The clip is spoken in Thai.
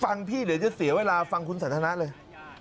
พี่เดี๋ยวจะเสียเวลาฟังคุณสันทนาเลย